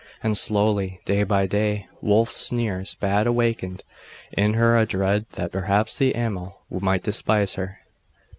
And slowly, day by day, Wulf's sneers bad awakened in her a dread that perhaps the Amal might despise her....